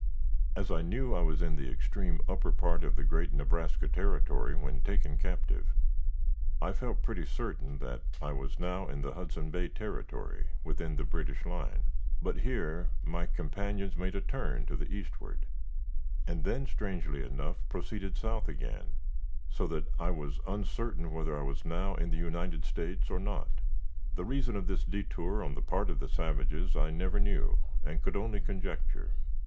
As I knew I was in the extreme upper part of the great Nebraska Territory when taken captive, I felt pretty certain that I was now in the Hudson Bay Territory, within the British line. But here my companions made a turn to the eastward, and then, strangely enough, proceeded south again, so that I was uncertain whether I was now in the United States or not. The reason of this detour on the part of the savages I never knew and could only conjecture.